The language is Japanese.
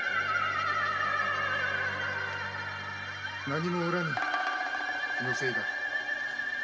何もおらぬ気のせいだ。